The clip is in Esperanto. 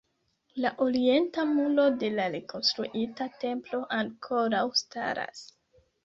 La Orienta Muro de la rekonstruita Templo ankoraŭ staras.